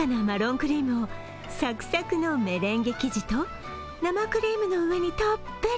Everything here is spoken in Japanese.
クリームをサクサクのメレンゲ生地と生クリームの上にたっぷり。